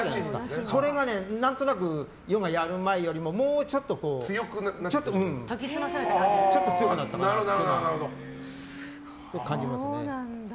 それが何となくヨガやる前よりももうちょっと強くなったかなとそれは感じますね。